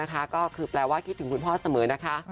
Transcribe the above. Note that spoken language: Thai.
ก็คือแปลว่าคิดถึงคุณพ่อเสมอนะคะ